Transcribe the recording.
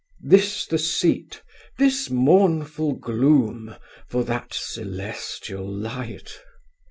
'this the seat, this mournful gloom for that celestial light.'